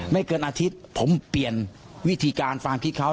ไม่เกินอาทิตย์ผมเปลี่ยนวิธีการฟังคิดเขา